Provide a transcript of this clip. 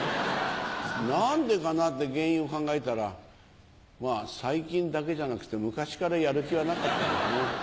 何でかなって原因を考えたら最近だけじゃなくて昔からやる気はなかったんですね。